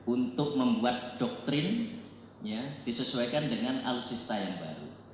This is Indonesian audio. untuk membuat doktrin disesuaikan dengan alutsista yang baru